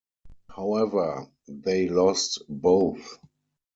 However, they lost both.